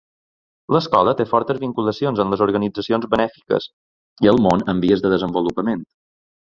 L"escola té fortes vinculacions amb les organitzacions benèfiques i el món en vies de desenvolupament.